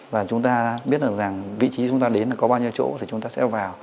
và chúng ta biết được rằng vị trí chúng ta đến có bao nhiêu chỗ thì chúng ta sẽ vào